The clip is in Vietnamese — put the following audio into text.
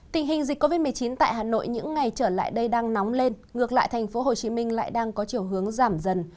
tình hình dịch covid một mươi chín tại hà nội những ngày trở lại đây đang nóng lên ngược lại thành phố hồ chí minh lại đang có chiều hướng giảm dần